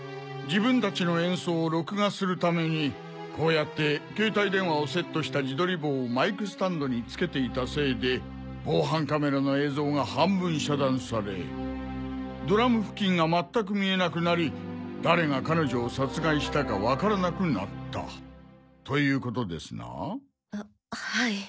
自分たちの演奏を録画するためにこうやって携帯電話をセットした自撮り棒をマイクスタンドに付けていたせいで防犯カメラの映像が半分遮断されドラム付近が全く見えなくなり誰が彼女を殺害したかわからなくなったということですな？ははい。